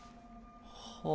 はあ。